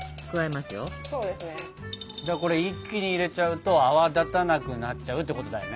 これ一気に入れちゃうと泡立たなくなっちゃうってことだよね。